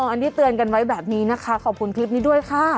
อันนี้เตือนกันไว้แบบนี้นะคะขอบคุณคลิปนี้ด้วยค่ะ